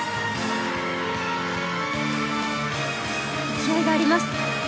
勢いがあります。